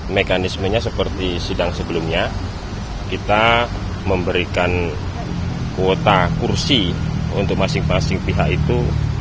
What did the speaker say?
mekanismenya seperti sidang sebelumnya kita memberikan kuota kursi untuk masing masing pihak itu